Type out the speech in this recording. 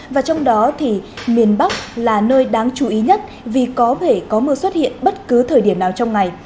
và trong đó thì miền bắc là nơi đáng chú ý nhất vì có thể có mưa xuất hiện bất cứ thời điểm nào trong ngày